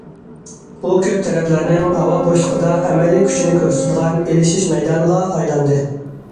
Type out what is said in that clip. بۇ كۆپ تەرەپلەرنىڭ ھاۋا بوشلۇقىدا ئەمەلىي كۈچىنى كۆرسىتىدىغان ئېلىشىش مەيدانىغا ئايلاندى.